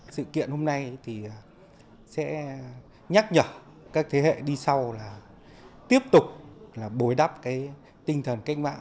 sự kiện hôm nay thì sẽ nhắc nhở các thế hệ đi sau là tiếp tục là bối đắp cái tinh thần cách mạng